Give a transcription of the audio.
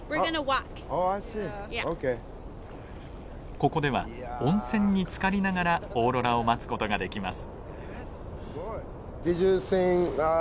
ここでは温泉につかりながらオーロラを待つ事ができます。